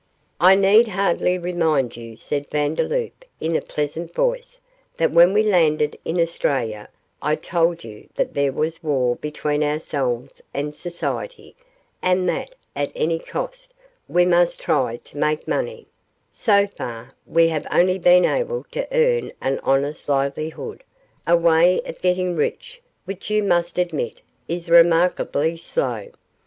'I need hardly remind you,' said Vandeloup, in a pleasant voice, 'that when we landed in Australia I told you that there was war between ourselves and society, and that, at any cost, we must try to make money; so far, we have only been able to earn an honest livelihood a way of getting rich which you must admit is remarkably slow.